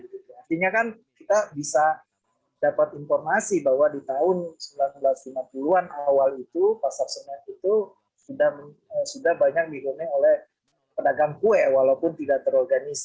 artinya kan kita bisa dapat informasi bahwa di tahun seribu sembilan ratus lima puluh an awal itu pasar senen itu sudah banyak digone oleh pedagang kue walaupun tidak terorganisir